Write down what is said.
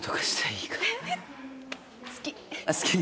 好き。